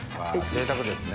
ぜいたくですね。